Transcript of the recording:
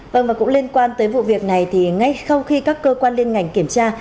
vâng và cũng liên quan tới vụ việc này thì ngay sau khi các cơ quan liên ngành kiểm tra